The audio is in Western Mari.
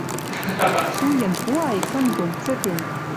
Суен пуай кын дон, цӹтен